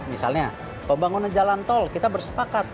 misalnya pembangunan jalan tol kita bersepakat